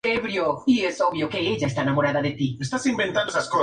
Ellos la llevaron a pasar la noche en el hotel Walker House.